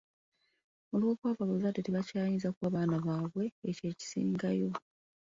Olw'obwavu, abazadde tebakyayinza kuwa baana baabwe ekyo ekisingayo.